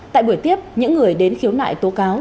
tại buổi tiếp những người đến khiếu nại tố cáo